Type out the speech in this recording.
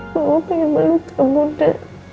kamu pengen meluka muda